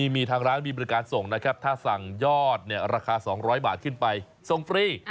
มีทางร้านมีบริการส่งนะครับถ้าสั่งยอดราคา๒๐๐บาทขึ้นไปส่งฟรี